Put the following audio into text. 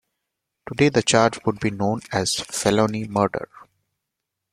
Today, the charge would be known as felony murder.